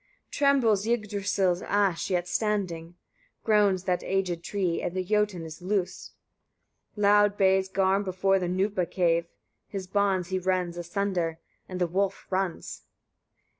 48. Trembles Yggdrasil's ash yet standing; groans that aged tree, and the jötun is loosed. Loud bays Garm before the Gnupa cave, his bonds he rends asunder; and the wolf runs.